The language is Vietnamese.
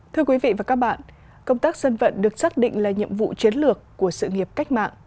thưa quý vị và các bạn công tác dân vận được xác định là nhiệm vụ chiến lược của sự nghiệp cách mạng